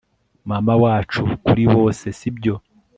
Mama wacu kuri bose sibyo